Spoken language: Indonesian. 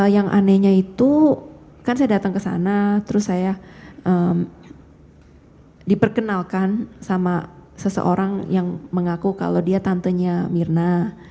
yang anehnya itu kan saya datang ke sana terus saya diperkenalkan sama seseorang yang mengaku kalau dia tantenya mirna